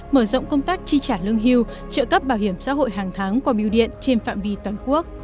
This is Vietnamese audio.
mở rộng công tác chi trả lương hưu trợ cấp bảo hiểm xã hội hàng tháng qua biêu điện trên phạm vi toàn quốc